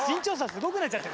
すごくなっちゃって。